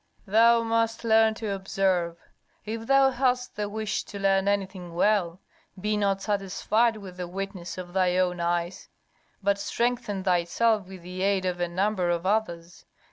"Thou must learn to observe. If thou hast the wish to learn anything well, be not satisfied with the witness of thy own eyes, but strengthen thyself with the aid of a number of others.